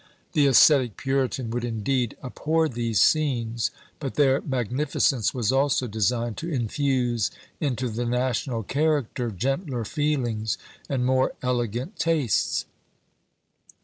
The ascetic puritan would indeed abhor these scenes; but their magnificence was also designed to infuse into the national character gentler feelings and more elegant tastes.